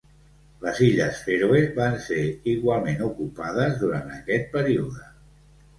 Les Illes Fèroe va ser igualment ocupades durant aquest període.